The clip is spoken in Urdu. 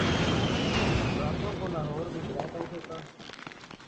راتوں کو لاہور میں بلیک آؤٹ ہوتا۔